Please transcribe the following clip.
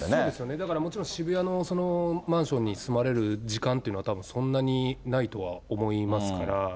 だからもちろん、渋谷のそのマンションに住まれる時間というのは、たぶんそんなにないとは思いますから。